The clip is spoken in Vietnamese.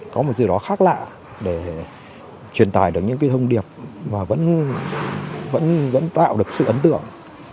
có một điều đó khác lạ để truyền tải được những cái thông điệp mà vẫn tạo được sự ấn tượng